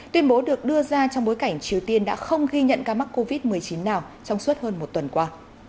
tuyên bố được đưa ra trong bối cảnh triều tiên đã không ghi nhận ca mắc covid một mươi chín nào trong suốt hơn một tuần qua